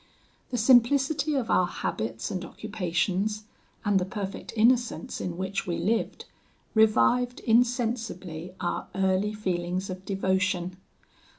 "The simplicity of our habits and occupations, and the perfect innocence in which we lived, revived insensibly our early feelings of devotion.